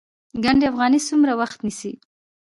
ګنډ افغاني څومره وخت نیسي؟